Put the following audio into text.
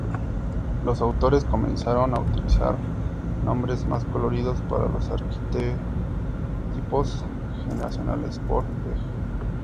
Los autores comenzaron a utilizar nombres más coloridos para los arquetipos generacionales, por ej.